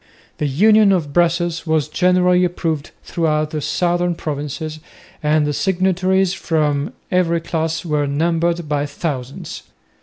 The Union of Brussels was generally approved throughout the southern provinces, and the signatories from every class were numbered by thousands.